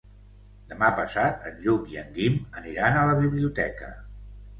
Demà passat en Lluc i en Guim aniran a la biblioteca.